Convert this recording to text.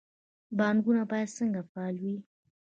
بانکونه باید څنګه فعال وي؟